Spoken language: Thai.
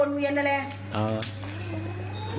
มันวนเวียนนั่นแหละ